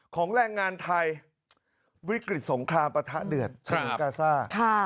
ของแหล่งงานไทยบริกฤตสงครามปลาทะเดือดทานคาซ่า